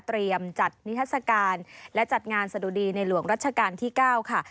จัดนิทัศกาลและจัดงานสะดุดีในหลวงรัชกาลที่๙ค่ะ